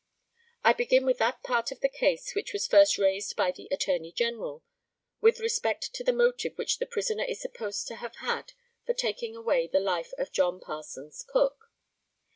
I begin with that part of the case which was first raised by the Attorney General, with respect to the motive which the prisoner is supposed to have had for taking away the life of John Parsons Cook.